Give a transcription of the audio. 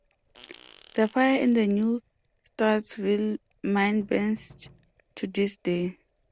The fire in the New Straitsville mine burns to this day.